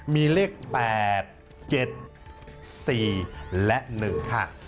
มีเลข๘๗๔และ๑ค่ะ